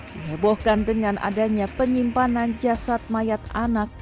dihebohkan dengan adanya penyimpanan jasad mayat anak